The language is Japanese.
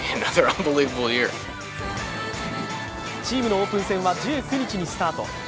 チームのオープン戦は１９日にスタート。